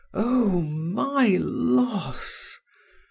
Oh, my loss!